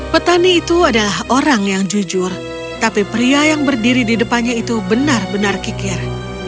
petani itu adalah orang yang jujur tapi pria yang berdiri di depannya itu benar benar kikir